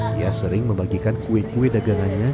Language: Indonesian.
dia sering membagikan kue kue dagangannya